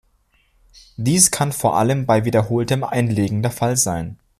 Dies kann vor allem bei wiederholtem Einlegen der Fall sein.